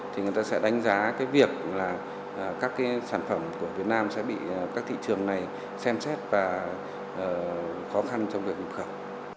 thì người ta sẽ đánh giá cái việc là các cái sản phẩm của việt nam sẽ bị các thị trường này xem xét và khó khăn trong việc nhập khẩu